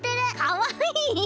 かわいい！